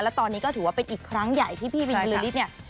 และตอนนี้ก็ถือว่าเป็นอีกครั้งใหญ่ที่พี่บินบริษฐ์เนี่ย